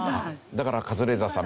だからカズレーザーさん